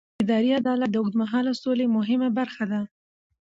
اداري عدالت د اوږدمهاله سولې مهمه برخه ده